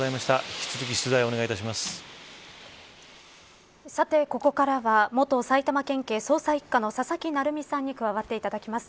引き続き取材をさて、ここからは元埼玉県警捜査一課の佐々木成三さんに加わっていただきます。